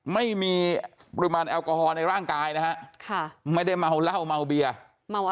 ไม่มีปริมาณแอลกอฮอล์ในร่างกายนะฮะค่ะไม่ได้เมาเหล้าเมาเบียเมา